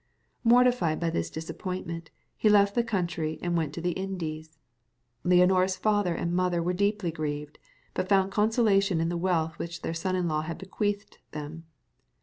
Mortified by this disappointment, he left the country and went to the Indies. Leonora's father and mother were deeply grieved, but found consolation in the wealth which their son in law had bequeathed them.